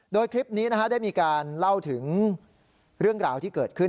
โดยคลิปนี้ได้มีการเล่าถึงเรื่องราวที่เกิดขึ้น